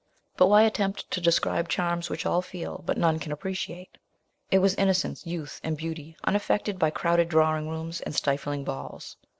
But why attempt to describe charms which all feel, but none can appreciate? It was innocence, youth, and beauty, unaffected by crowded drawing rooms and stifling balls.